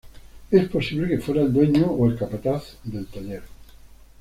Es posible que fuera el dueño o el capataz del taller.